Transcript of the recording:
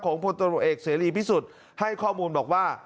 พลตรวจเอกเสรีพิสุทธิ์ให้ข้อมูลบอกว่า